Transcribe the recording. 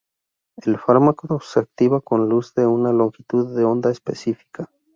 El fármaco se activa con luz de una longitud de onda específica.